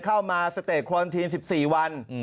เข้ามาสเตจคลอนทีม๑๔วัน